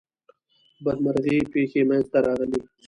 بدمرغي پیښی منځته راغلې.